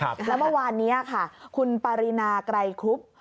แล้วเมื่อวานนี้ค่ะคุณปารีนาไกรครุบ